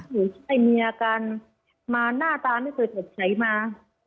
หรือใช่เมียกันมาหน้าตาไม่เคยถูกใช้มา